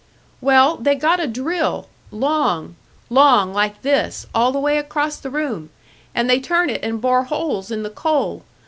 "Well, they got a drill long, long, like this, all the way across the room; and they turn it and bore holes in the coal.